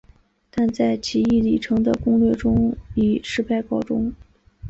但在骑牟礼城的攻略以失败告终。